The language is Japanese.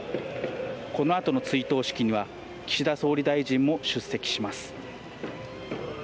この後の追悼式には岸田総理大臣も出席します。